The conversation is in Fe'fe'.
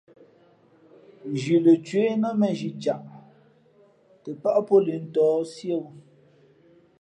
Nzhi lα cwéh nά měnzhi caʼ tα pάʼ pǒ lǐʼ ntǒh siéwū.